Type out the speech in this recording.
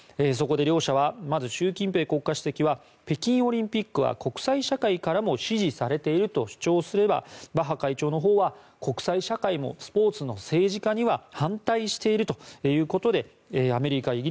そこで習近平国家主席は北京オリンピックは国際社会からも支持されていると主張すればバッハ会長のほうは国際社会もスポーツの政治化には反対しているということでアメリカ、